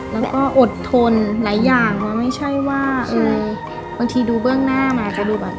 แล้วก็อดทนหลายอย่างว่าไม่ใช่ว่าบางทีดูเบื้องหน้ามาจะดูแบบ